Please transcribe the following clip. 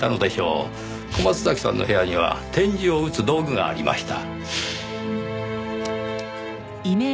小松崎さんの部屋には点字を打つ道具がありました。